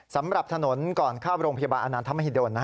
สำหรับถนนก่อนเข้าโรงพยาบาลอานันทมหิดล